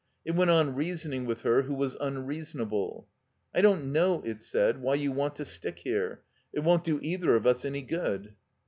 It went on reasoning with her who was unreasonable. "I don't know," it said, "why you want to stick here. It won't &o either of us any good."